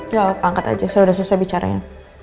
gak apa apa angkat aja saya udah susah bicara ya